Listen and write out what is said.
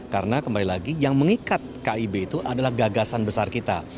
karena kembali lagi yang mengikat kib itu adalah gagasan besar kita